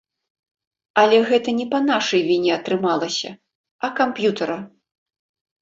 Але гэта не па нашай віне атрымалася, а камп'ютара.